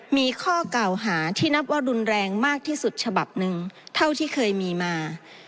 มีข้อกล่าวหาที่นับว่ารุนแรงมากที่สุดฉบับหนึ่งเท่าที่เคยมีมา